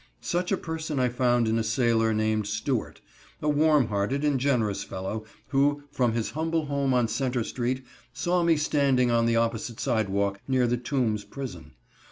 Such a person I found in a sailor named Stuart, a warm hearted and generous fellow, who, from his humble home on Centre street, saw me standing on the opposite sidewalk, near the Tombs prison.